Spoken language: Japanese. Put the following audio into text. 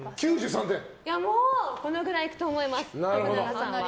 もうこのくらい行くと思います。